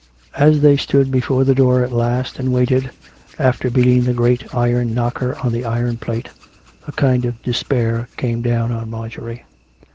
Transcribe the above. As they stood before the door at last and waited, after beating the great iron knocker on the iron plate, a kind of despair came down on Marjorie.